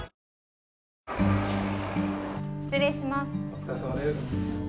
お疲れさまです